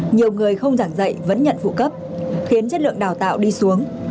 nhiều người không giảng dạy vẫn nhận phụ cấp khiến chất lượng đào tạo đi xuống